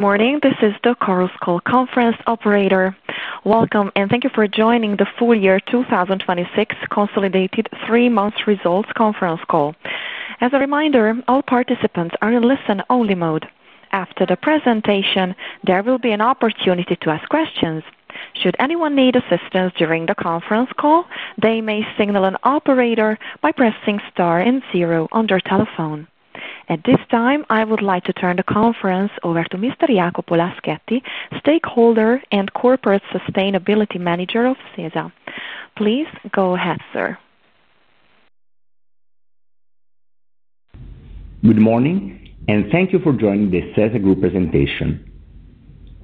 Morning, this is the Chorus Call conference operator. Welcome, and thank you for joining the full year 2026 Consolidated Three-Month Results Conference Call. As a reminder, all participants are in listen-only mode. After the presentation, there will be an opportunity to ask questions. Should anyone need assistance during the conference call, they may signal an operator by pressing star and zero on their telephone. At this time, I would like to turn the conference over to Mr. Jacopo Laschetti, Stakeholder and Corporate Sustainability Manager of Sesa. Please go ahead, sir. Good morning, and thank you for joining the Sesa Group presentation.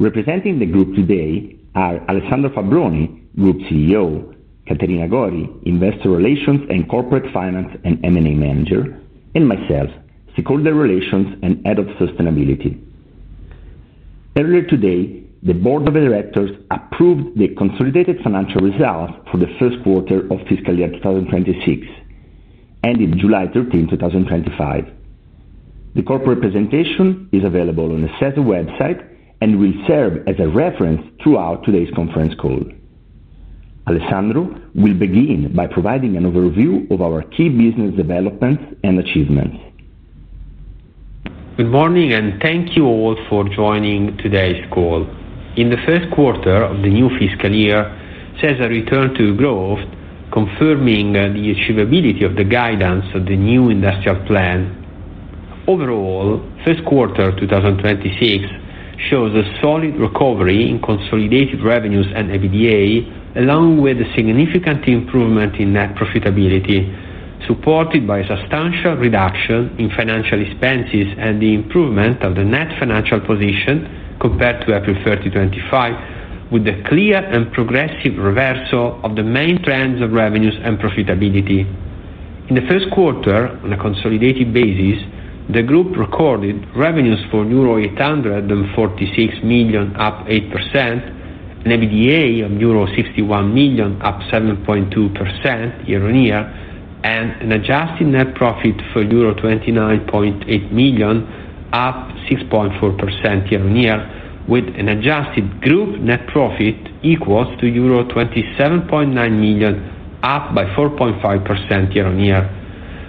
Representing the group today are Alessandro Fabbroni, Group CEO, Caterina Gori, Investor Relations and Corporate Finance and M&A Manager, and myself, Stakeholder Relations and Head of Sustainability. Earlier today, the Board of Directors approved the consolidated financial results for the first quarter of fiscal year 2026, ended July 31, 2025. The corporate presentation is available on the Sesa website and will serve as a reference throughout today's conference call. Alessandro will begin by providing an overview of our key business developments and achievements. Good morning, and thank you all for joining today's call. In the first quarter of the new fiscal year, Sesa returned to growth, confirming the achievability of the guidance of the new industrial plan. Overall, first quarter 2026 shows a solid recovery in consolidated revenues and EBITDA, along with a significant improvement in net profitability, supported by a substantial reduction in financial expenses and the improvement of the net financial position compared to April 30, 2025, with a clear and progressive reversal of the main trends of revenues and profitability. In the first quarter, on a consolidated basis, the group recorded revenues for euro 846 million, up 8%, an EBITDA of euro 61 million, up 7.2% year-on-year, and an adjusted net profit for euro 29.8 million, up 6.4% year-on-year, with an adjusted group net profit equal to euro 27.9 million, up by 4.5% year-on-year.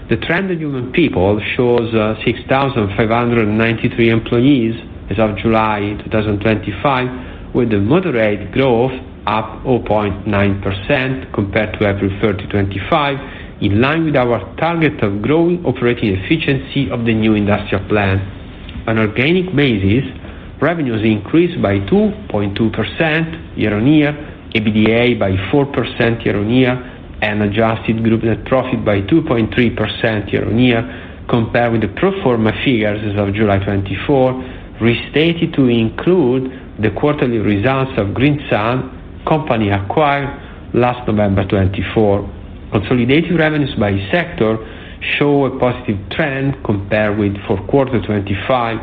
The trend in headcount shows 6,593 employees as of July 2025, with a moderate growth, up 0.9% compared to April 30, 2025, in line with our target of growing operating efficiency of the new industrial plan. On an organic basis, revenues increased by 2.2% year-on-year, EBITDA by 4% year-on-year, and adjusted group net profit by 2.3% year-on-year, compared with the pro forma figures as of July 2024, restated to include the quarterly results of GreenSun, company acquired last November 2024. Consolidated revenues by sector show a positive trend compared with fourth quarter 2025.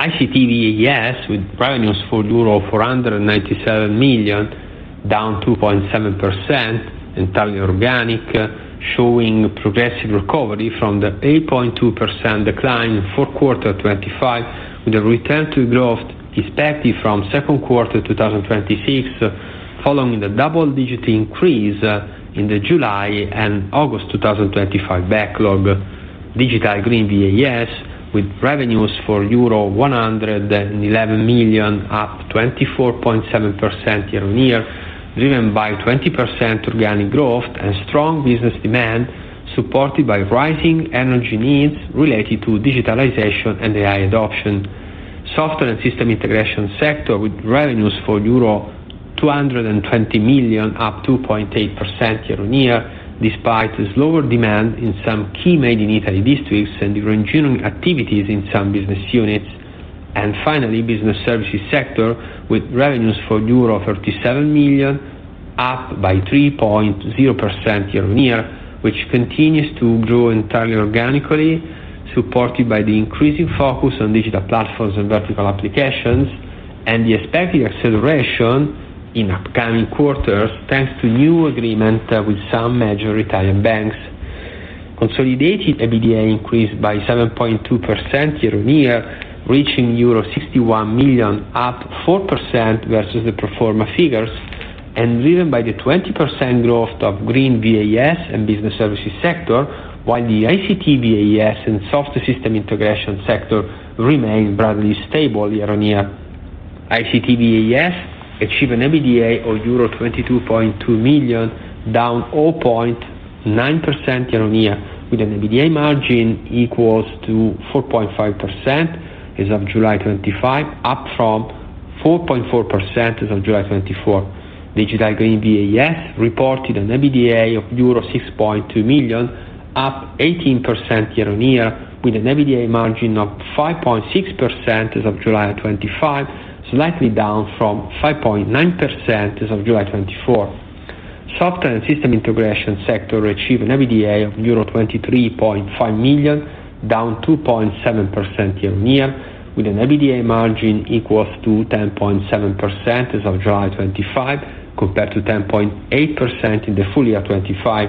ICT VAD, with revenues for euro 497 million, down 2.7%, entirely organic, showing a progressive recovery from the 8.2% decline in fourth quarter 2025, with a return to growth expected from second quarter 2026, following the double-digit increase in the July and August 2025 backlog. Digital Green VAS, with revenues for euro 111 million, up 24.7% year-on-year, driven by 20% organic growth and strong business demand, supported by rising energy needs related to digitalization and AI adoption. Software and System Integration sector, with revenues for euro 220 million, up 2.8% year-on-year, despite slower demand in some key Made in Italy districts and during June activities in some business units. And finally, Business Services sector, with revenues for euro 37 million, up by 3.0% year-on-year, which continues to grow entirely organically, supported by the increasing focus on digital platforms and vertical applications, and the expected acceleration in upcoming quarters thanks to new agreements with some major Italian banks. Consolidated EBITDA increased by 7.2% year-on-year, reaching euro 61 million, up 4% versus the pro forma figures, and driven by the 20% growth of Green VAS and Business Services sector, while the ICT VAD and Software and System Integration sector remained broadly stable year-on-year. ICT VAD achieved an EBITDA of EUR 22.2 million, down 0.9% year-on-year, with an EBITDA margin equal to 4.5% as of July 2025, up from 4.4% as of July 2024. Digital Green VAS reported an EBITDA of euro 6.2 million, up 18% year-on-year, with an EBITDA margin of 5.6% as of July 2025, slightly down from 5.9% as of July 2024. Software and System Integration sector achieved an EBITDA of euro 23.5 million, down 2.7% year-on-year, with an EBITDA margin equal to 10.7% as of July 2025, compared to 10.8% in the full year 2025.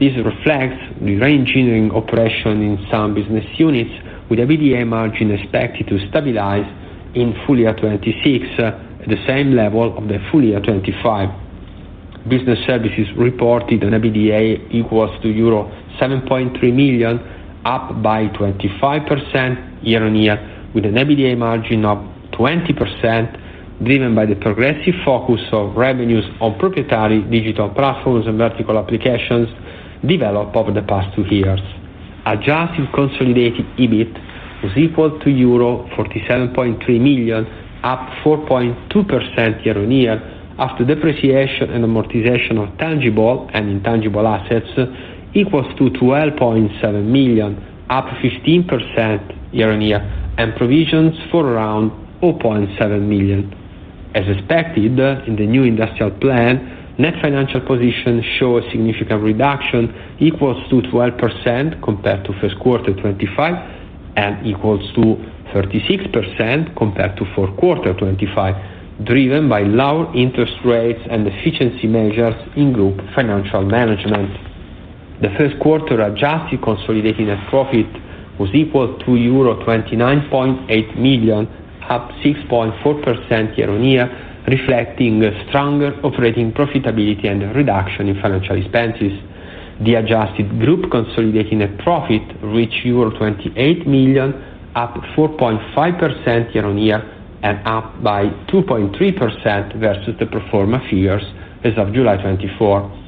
This reflects the re-engineering operation in some business units, with EBITDA margin expected to stabilize in full year 2026 at the same level of the full year 2025. Business Services reported an EBITDA equal to euro 7.3 million, up by 25% year-on-year, with an EBITDA margin of 20%, driven by the progressive focus of revenues on proprietary digital platforms and vertical applications developed over the past two years. Adjusted consolidated EBIT was equal to euro 47.3 million, up 4.2% year-on-year, after depreciation and amortization of tangible and intangible assets, equal to 12.7 million, up 15% year-on-year, and provisions for around 0.7 million. As expected in the new industrial plan, net financial position shows a significant reduction equal to 12% compared to first quarter 2025 and equal to 36% compared to fourth quarter 2025, driven by lower interest rates and efficiency measures in group financial management. The first quarter adjusted consolidated net profit was equal to euro 29.8 million, up 6.4% year-on-year, reflecting stronger operating profitability and reduction in financial expenses. The adjusted group consolidated net profit reached euro 28 million, up 4.5% year-on-year, and up by 2.3% versus the pro forma figures as of July 2024.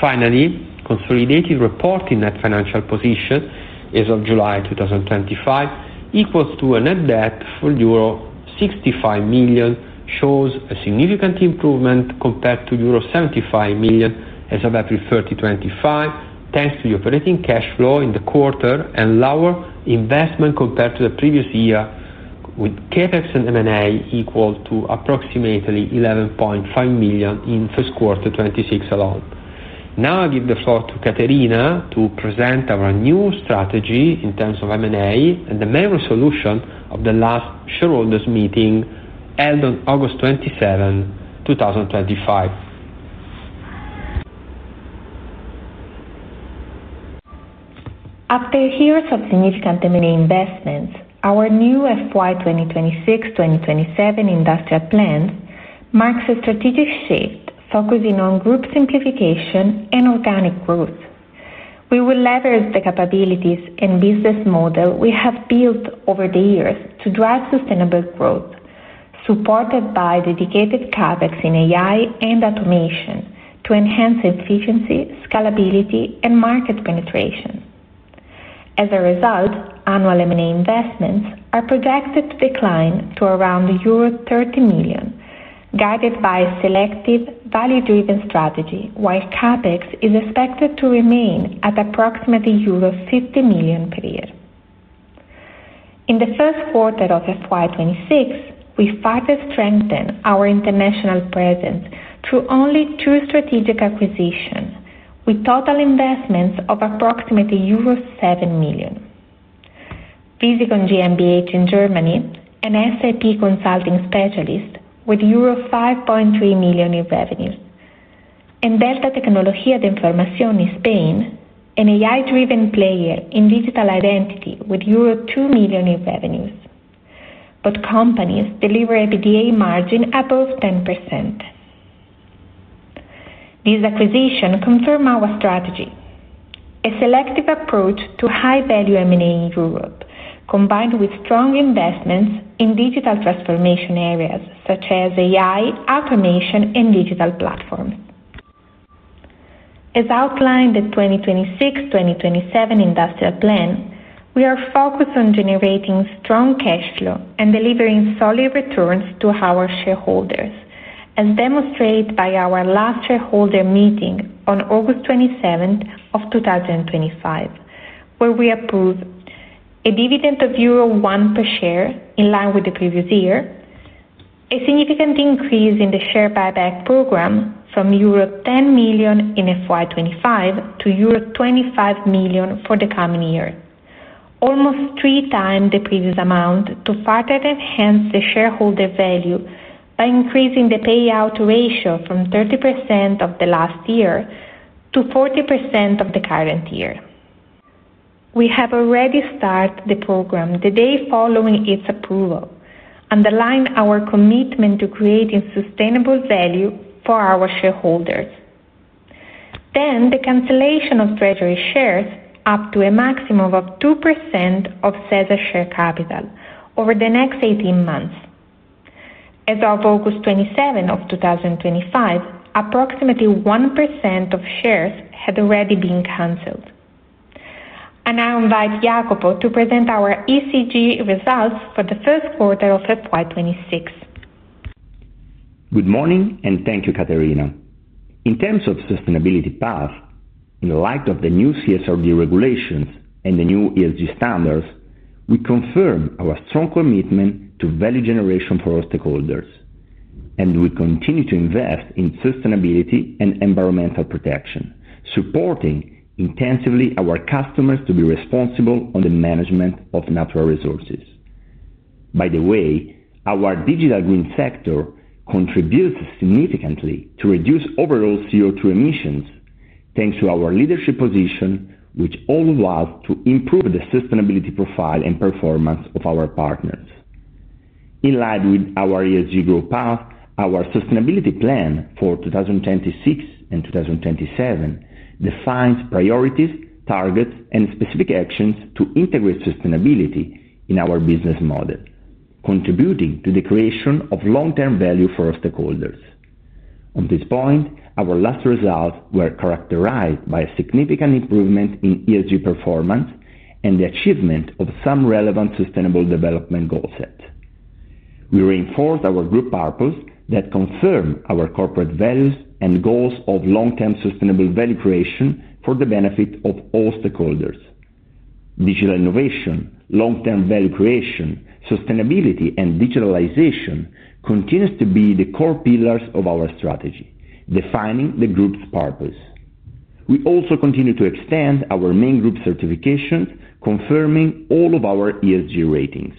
Finally, consolidated reported Net Financial Position as of July 2025 equals to a net debt for euro 65 million, shows a significant improvement compared to euro 75 million as of April 30, 2025, thanks to the operating cash flow in the quarter and lower investment compared to the previous year, with CapEx and M&A equal to approximately 11.5 million in first quarter 2026 alone. Now I give the floor to Caterina to present our new strategy in terms of M&A and the main resolution of the last shareholders' meeting held on August 27, 2025. After years of significant M&A investments, our new FY 2026-2027 industrial plan marks a strategic shift focusing on group simplification and organic growth. We will leverage the capabilities and business model we have built over the years to drive sustainable growth, supported by dedicated CapEx in AI and automation to enhance efficiency, scalability, and market penetration. As a result, annual M&A investments are projected to decline to around euro 30 million, guided by a selective, value-driven strategy, while CapEx is expected to remain at approximately euro 50 million per year. In the first quarter of FY 2026, we further strengthen our international presence through only two strategic acquisitions with total investments of approximately euro 7 million. Visigon GmbH in Germany, an SAP consulting specialist with euro 5.3 million in revenues, and Delta Tecnologías de la Información in Spain, an AI-driven player in digital identity with euro 2 million in revenues. Both companies deliver EBITDA margin above 10%. These acquisitions confirm our strategy: a selective approach to high-value M&A in Europe, combined with strong investments in digital transformation areas such as AI, automation, and digital platforms. As outlined in the 2026-2027 industrial plan, we are focused on generating strong cash flow and delivering solid returns to our shareholders, as demonstrated by our last shareholder meeting on August 27, 2025, where we approved a dividend of euro 1 per share in line with the previous year, a significant increase in the share buyback program from euro 10 million in FY 2025 to euro 25 million for the coming year, almost three times the previous amount, to further enhance the shareholder value by increasing the payout ratio from 30% of the last year to 40% of the current year. We have already started the program the day following its approval, underlining our commitment to creating sustainable value for our shareholders, then the cancellation of treasury shares up to a maximum of 2% of Sesa share capital over the next 18 months. As of August 27, 2025, approximately 1% of shares had already been canceled, and I invite Jacopo to present our ESG results for the first quarter of FY 2026. Good morning, and thank you, Caterina. In terms of sustainability path, in light of the new CSRD regulations and the new ESG standards, we confirm our strong commitment to value generation for our stakeholders, and we continue to invest in sustainability and environmental protection, supporting intensively our customers to be responsible on the management of natural resources. By the way, our digital green sector contributes significantly to reduce overall CO2 emissions, thanks to our leadership position, which allows us to improve the sustainability profile and performance of our partners. In line with our ESG growth path, our sustainability plan for 2026 and 2027 defines priorities, targets, and specific actions to integrate sustainability in our business model, contributing to the creation of long-term value for our stakeholders. At this point, our last results were characterized by a significant improvement in ESG performance and the achievement of some relevant sustainable development goal sets. We reinforced our group purpose that confirmed our corporate values and goals of long-term sustainable value creation for the benefit of all stakeholders. Digital innovation, long-term value creation, sustainability, and digitalization continue to be the core pillars of our strategy, defining the group's purpose. We also continue to extend our main group certifications, confirming all of our ESG ratings.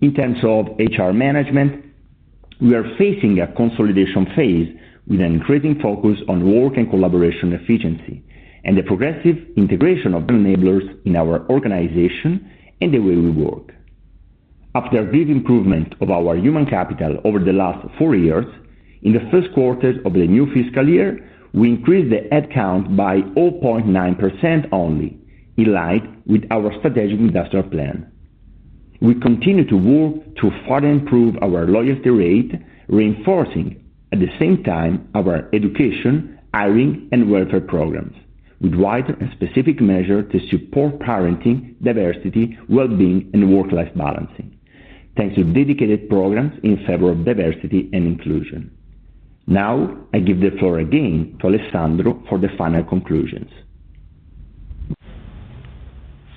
In terms of HR management, we are facing a consolidation phase with an increasing focus on work and collaboration efficiency and the progressive integration of enablers in our organization and the way we work. After a big improvement of our human capital over the last four years, in the first quarter of the new fiscal year, we increased the headcount by 0.9% only, in line with our strategic industrial plan. We continue to work to further improve our loyalty rate, reinforcing, at the same time, our education, hiring, and welfare programs, with wider and specific measures to support parenting, diversity, well-being, and work-life balancing, thanks to dedicated programs in favor of diversity and inclusion. Now, I give the floor again to Alessandro for the final conclusions.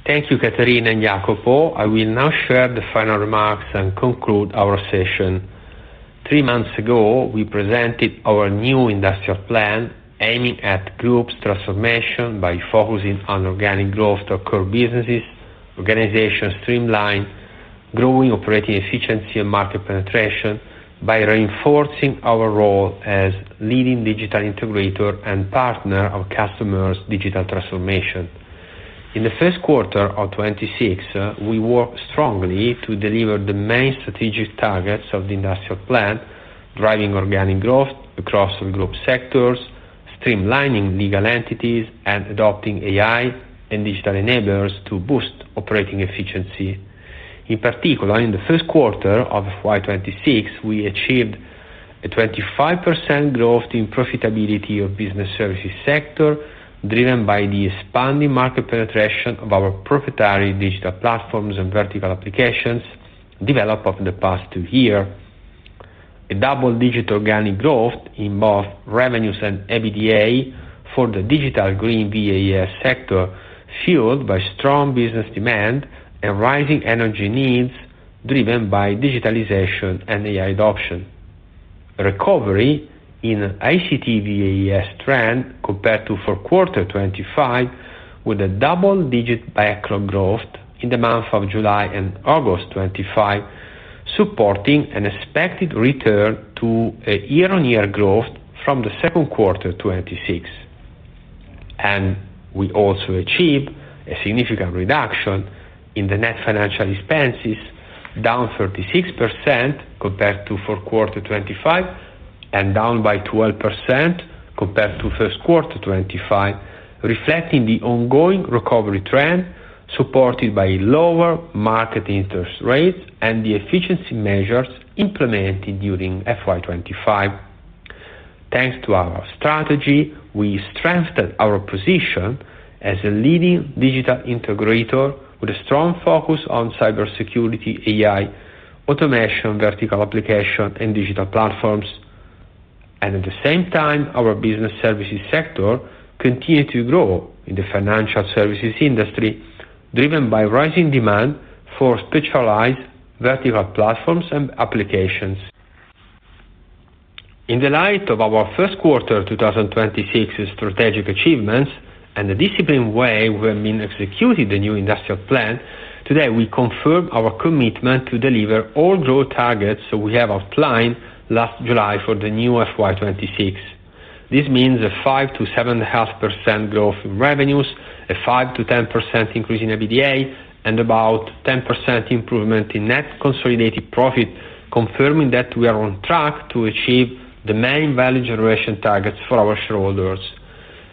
Thank you, Caterina and Jacopo. I will now share the final remarks and conclude our session. Three months ago, we presented our new industrial plan aiming at group's transformation by focusing on organic growth to core businesses, organizations streamlined, growing operating efficiency and market penetration by reinforcing our role as leading digital integrator and partner of customers' digital transformation. In the first quarter of 2026, we worked strongly to deliver the main strategic targets of the industrial plan, driving organic growth across the group sectors, streamlining legal entities, and adopting AI and digital enablers to boost operating efficiency. In particular, in the first quarter of FY 2026, we achieved a 25% growth in profitability of the Business Services sector, driven by the expanding market penetration of our proprietary digital platforms and vertical applications developed over the past two years, a double-digit organic growth in both revenues and EBITDA for the Digital Green VAS sector, fueled by strong business demand and rising energy needs driven by digitalization and AI adoption, a recovery in ICT VAD trend compared to fourth quarter 2025, with a double-digit backlog growth in the months of July and August 2025, supporting an expected return to a year-on-year growth from the second quarter 2026. We also achieved a significant reduction in the net financial expenses, down 36% compared to fourth quarter 2025, and down by 12% compared to first quarter 2025, reflecting the ongoing recovery trend supported by lower market interest rates and the efficiency measures implemented during FY 2025. Thanks to our strategy, we strengthened our position as a leading digital integrator with a strong focus on cybersecurity, AI, automation, vertical application, and digital platforms. At the same time, our Business Services sector continued to grow in the financial services industry, driven by rising demand for specialized vertical platforms and applications. In the light of our first quarter 2026 strategic achievements and the disciplined way we have been executing the new industrial plan, today we confirm our commitment to deliver all growth targets we have outlined last July for the new FY 2026. This means a 5%-7.5% growth in revenues, a 5%-10% increase in EBITDA, and about 10% improvement in net consolidated profit, confirming that we are on track to achieve the main value generation targets for our shareholders.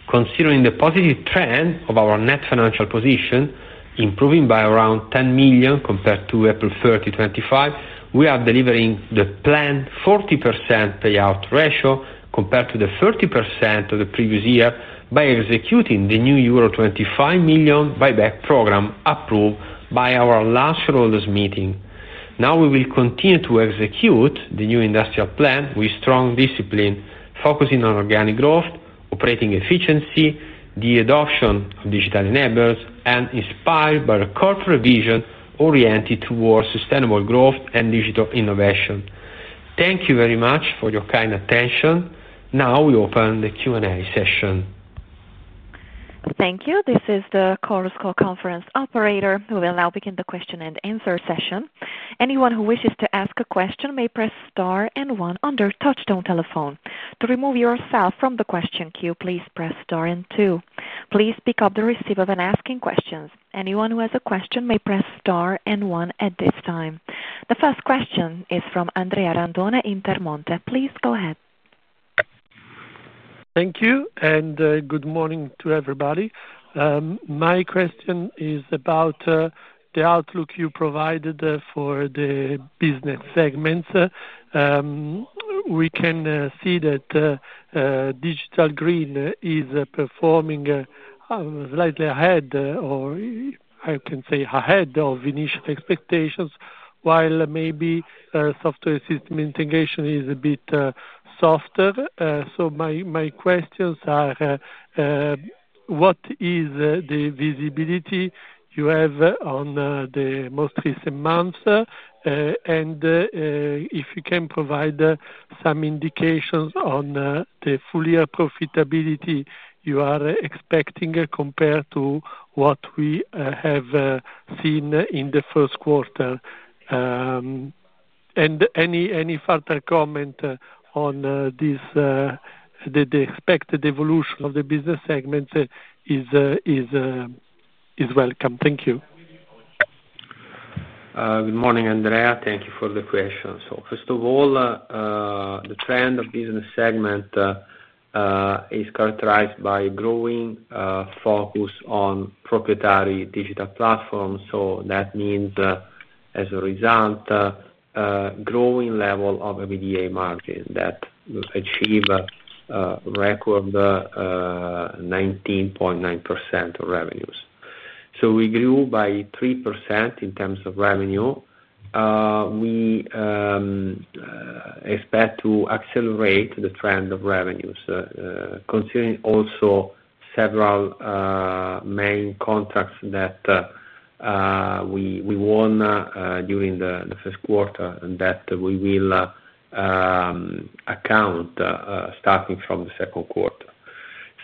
Considering the positive trend of our net financial position, improving by around 10 million compared to April 30, 2025, we are delivering the planned 40% payout ratio compared to the 30% of the previous year by executing the new euro 25 million buyback program approved by our last shareholders' meeting. Now we will continue to execute the new industrial plan with strong discipline, focusing on organic growth, operating efficiency, the adoption of digital enablers, and inspired by a corporate vision oriented towards sustainable growth and digital innovation. Thank you very much for your kind attention. Now we open the Q&A session. Thank you. This is the Chorus Call conference operator who will now begin the question-and-answer session. Anyone who wishes to ask a question may press star and one on your touchtone telephone. To remove yourself from the question queue, please press star and two. Please pick up the receiver when asking questions. Anyone who has a question may press star and one at this time. The first question is from Andrea Randone, Intermonte. Please go ahead. Thank you, and good morning to everybody. My question is about the outlook you provided for the business segments. We can see that Digital Green is performing slightly ahead, or I can say ahead of initial expectations, while maybe Software and System Integration is a bit softer. So my questions are: what is the visibility you have on the most recent months? And if you can provide some indications on the full-year profitability you are expecting compared to what we have seen in the first quarter. And any further comment on the expected evolution of the business segments is welcome. Thank you. Good morning, Andrea. Thank you for the question. So first of all, the trend of the business segment is characterized by a growing focus on proprietary digital platforms. So that means, as a result, a growing level of EBITDA margin that achieved a record 19.9% of revenues. So we grew by 3% in terms of revenue. We expect to accelerate the trend of revenues, considering also several main contracts that we won during the first quarter that we will account for starting from the second quarter.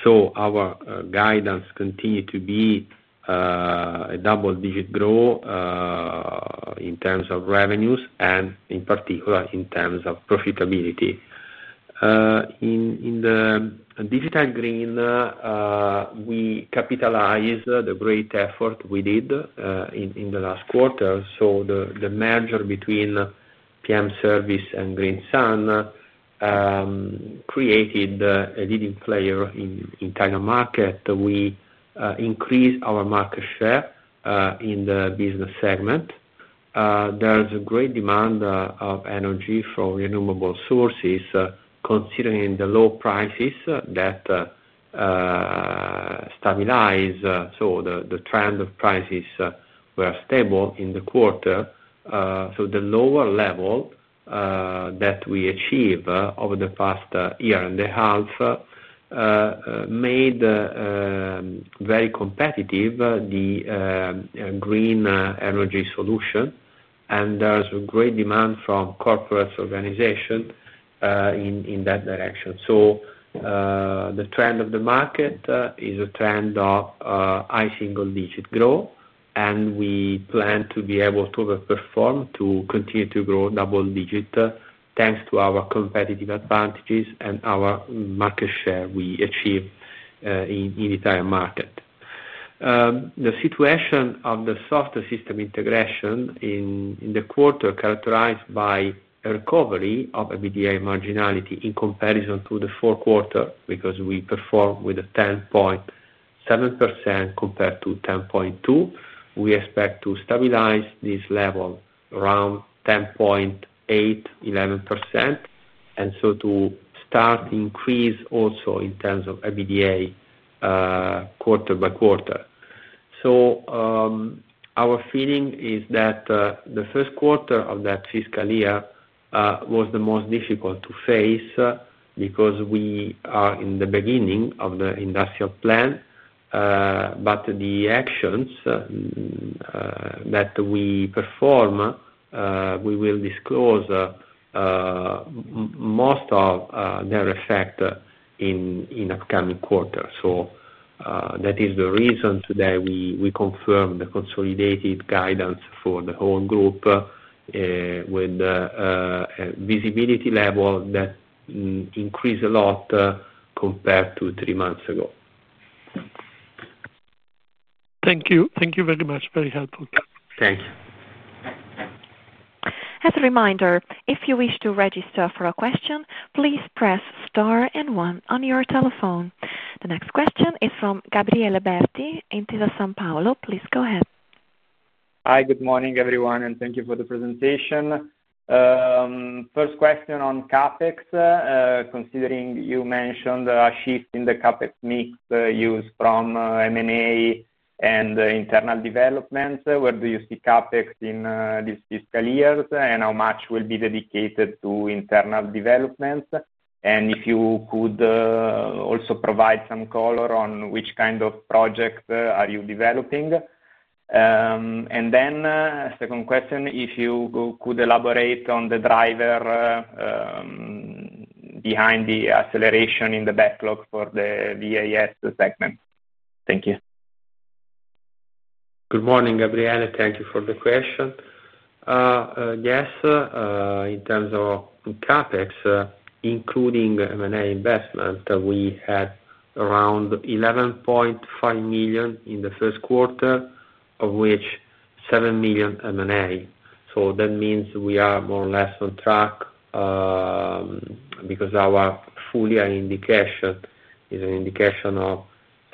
So our guidance continues to be a double-digit growth in terms of revenues and, in particular, in terms of profitability. In the Digital Green, we capitalized the great effort we did in the last quarter. So the merger between PM Service and GreenSun created a leading player in the entire market. We increased our market share in the business segment. There's a great demand for energy from renewable sources, considering the low prices that stabilized. So the trend of prices was stable in the quarter. So the lower level that we achieved over the past year and a half made very competitive the green energy solution. And there's a great demand from corporate organizations in that direction. So the trend of the market is a trend of high single-digit growth, and we plan to be able to overperform to continue to grow double-digit thanks to our competitive advantages and our market share we achieved in the entire market. The situation of the Software and System Integration in the quarter is characterized by a recovery of EBITDA marginality in comparison to the fourth quarter because we performed with a 10.7% compared to 10.2%. We expect to stabilize this level around 10.8%, 11%, and so to start to increase also in terms of EBITDA quarter by quarter, so our feeling is that the first quarter of that fiscal year was the most difficult to face because we are in the beginning of the industrial plan, but the actions that we perform, we will disclose most of their effect in the upcoming quarter, so that is the reason today we confirmed the consolidated guidance for the whole group with a visibility level that increased a lot compared to three months ago. Thank you. Thank you very much. Very helpful. Thank you. As a reminder, if you wish to register for a question, please press star and one on your telephone. The next question is from Gabriele Berti in Intesa Sanpaolo. Please go ahead. Hi, good morning, everyone, and thank you for the presentation. First question on CapEx, considering you mentioned a shift in the CapEx mix used from M&A and internal developments. Where do you see CapEx in these fiscal years, and how much will be dedicated to internal developments? And if you could also provide some color on which kind of projects are you developing? And then second question, if you could elaborate on the driver behind the acceleration in the backlog for the VAS segment? Thank you. Good morning, Gabriele. Thank you for the question. Yes, in terms of CapEx, including M&A investment, we had around 11.5 million in the first quarter, of which 7 million M&A. So that means we are more or less on track because our full-year indication is an indication of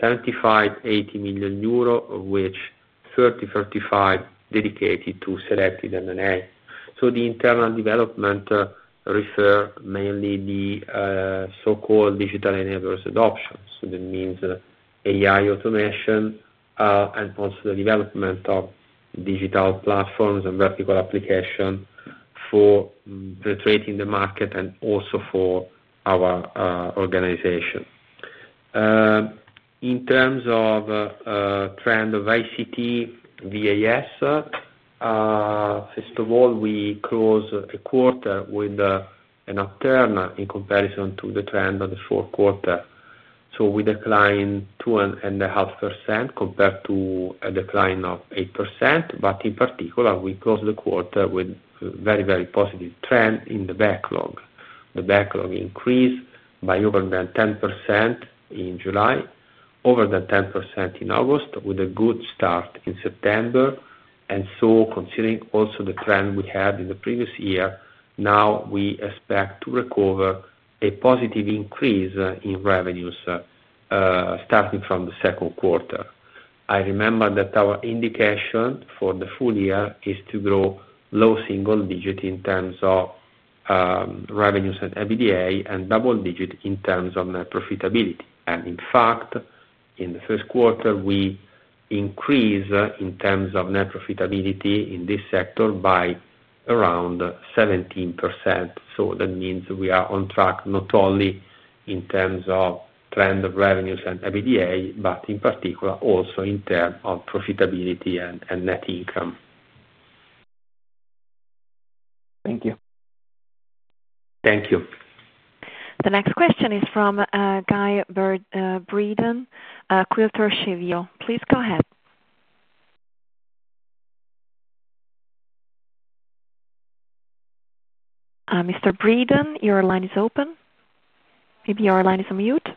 75-80 million euro, of which 30-35 dedicated to selected M&A. So the internal development refers mainly to the so-called digital enablers adoption. So that means AI automation and also the development of digital platforms and vertical applications for penetrating the market and also for our organization. In terms of the trend of ICT VAD, first of all, we closed a quarter with an upturn in comparison to the trend of the fourth quarter. So we declined 2.5% compared to a decline of 8%. But in particular, we closed the quarter with a very, very positive trend in the backlog. The backlog increased by over 10% in July, over 10% in August, with a good start in September. And so considering also the trend we had in the previous year, now we expect to recover a positive increase in revenues starting from the second quarter. I remember that our indication for the full year is to grow low single-digit in terms of revenues and EBITDA and double-digit in terms of net profitability. And in fact, in the first quarter, we increased in terms of net profitability in this sector by around 17%. So that means we are on track not only in terms of trend of revenues and EBITDA, but in particular also in terms of profitability and net income. Thank you. Thank you. The next question is from Guy Breeden, Quilter Cheviot. Please go ahead. Mr. Breeden, your line is open. Maybe your line is on mute.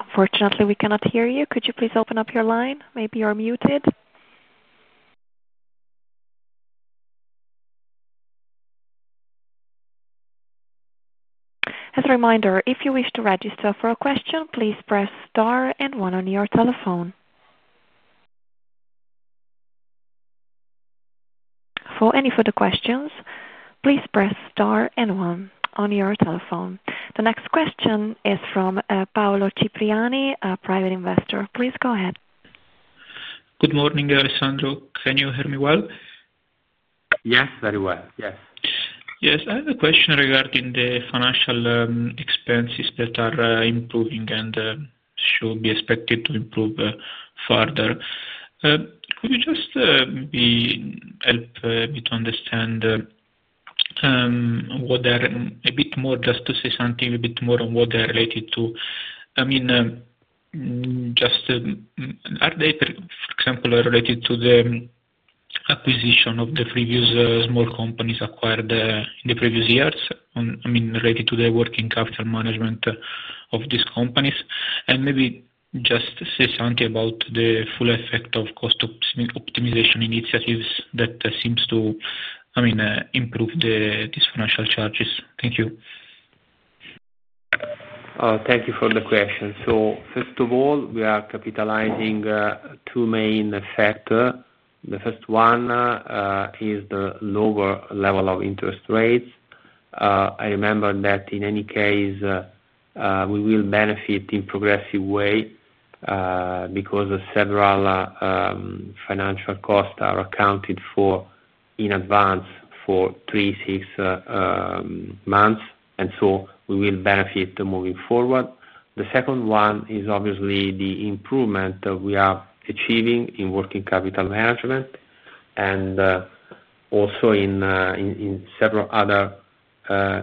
Unfortunately, we cannot hear you. Could you please open up your line? Maybe you're muted. As a reminder, if you wish to register for a question, please press star and one on your telephone. For any further questions, please press star and one on your telephone. The next question is from Paolo Cipriani, a private investor. Please go ahead. Good morning, Alessandro. Can you hear me well? Yes, very well. Yes. Yes. I have a question regarding the financial expenses that are improving and should be expected to improve further. Could you just maybe help me to understand a bit more, just to say something a bit more on what they're related to? I mean, just are they, for example, related to the acquisition of the previous small companies acquired in the previous years? I mean, related to the working capital management of these companies? And maybe just say something about the full effect of cost optimization initiatives that seems to, I mean, improve these financial charges. Thank you. Thank you for the question. So first of all, we are capitalizing two main factors. The first one is the lower level of interest rates. I remember that in any case, we will benefit in a progressive way because several financial costs are accounted for in advance for three to six months. And so we will benefit moving forward. The second one is obviously the improvement we are achieving in working capital management and also in several other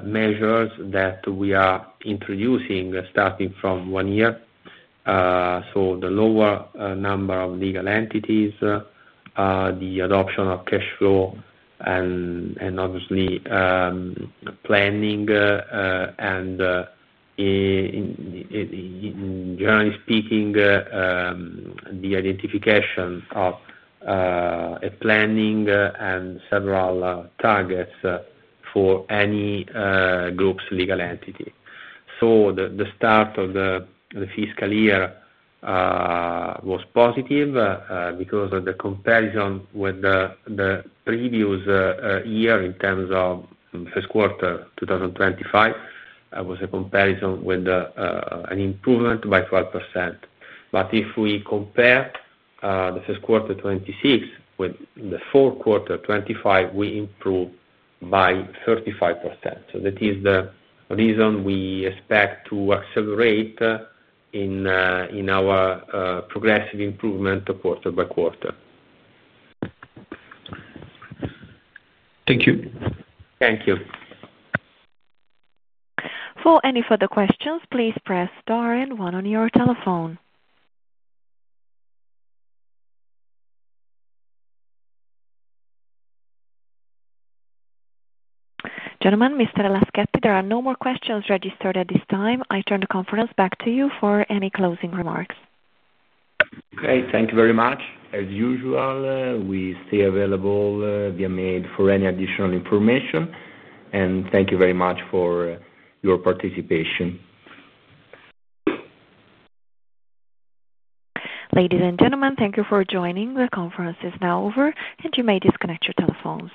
measures that we are introducing starting from one year. So the lower number of legal entities, the adoption of cash flow, and obviously planning. And generally speaking, the identification of planning and several targets for any group's legal entity. So the start of the fiscal year was positive because of the comparison with the previous year in terms of the first quarter 2025. It was a comparison with an improvement by 12%. But if we compare the first quarter 2026 with the fourth quarter 2025, we improved by 35%. So that is the reason we expect to accelerate in our progressive improvement quarter by quarter. Thank you. Thank you. For any further questions, please press star and one on your telephone. Gentlemen, Mr. Laschetti, there are no more questions registered at this time. I turn the conference back to you for any closing remarks. Great. Thank you very much. As usual, we stay available via mail for any additional information, and thank you very much for your participation. Ladies and gentlemen, thank you for joining. The conference is now over, and you may disconnect your telephones.